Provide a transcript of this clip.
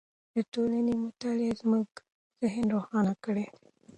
د ټولنې مطالعې زموږ ذهن روښانه کړی دی.